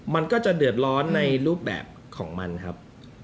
มันก็จะเดือดร้อนในรูปแบบของมันครับ